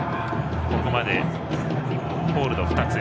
ここまでホールド２つ。